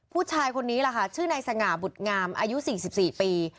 ผู้ชายคนนี้แหละค่ะชื่อนายสง่าบุตรงามอายุ๔๔ปี